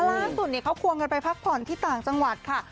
ล่าสุดเขาควงกันไปพักผ่อนที่ต่างจังหวัดค่ะ